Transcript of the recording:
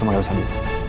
sama elsa dulu